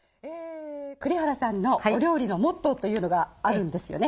栗原さんのお料理のモットーというのがあるんですよね？